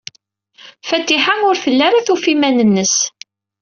Fatiḥa ur telli tufa iman-nnes.